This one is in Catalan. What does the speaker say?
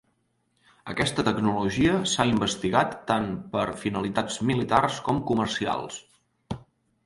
Aquesta tecnologia s'ha investigat tant per finalitats militars com comercials.